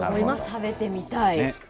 食べてみたい。